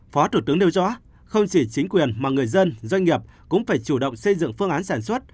phó thủ tướng nêu rõ không chỉ chính quyền mà người dân doanh nghiệp cũng phải chủ động xây dựng phương án sản xuất